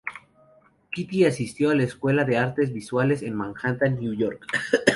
Kitty asistió a la Escuela de Artes Visuales en Manhattan, Nueva York.